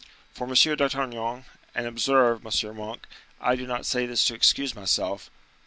"For M. d'Artagnan—and observe, M. Monk, I do not say this to excuse myself—for M.